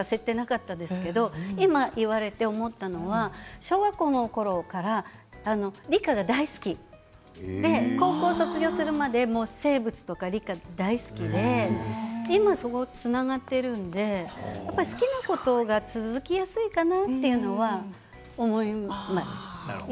全くそこをリンクさせていなかったんですが今、言われて思ったのは小学校のころから理科が大好き高校を卒業するまで生物や理科が大好きで今そこにつながっているので好きなことが続きやすいかなと思います。